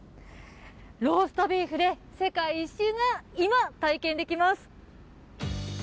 ローストビーフで世界一周が今、体験できます。